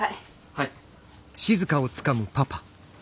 はい。